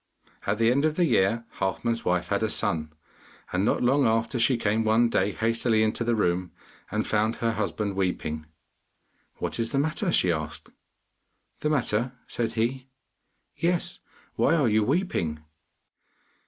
At the end of the year Halfman's wife had a son, and not long after she came one day hastily into the room, and found her husband weeping. 'What is the matter?' she asked. 'The matter?' said he. 'Yes, why are you weeping?